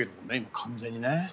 完全にね。